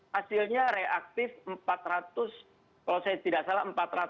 hasilnya reaktif empat ratus kalau saya tidak salah empat ratus tujuh puluh tujuh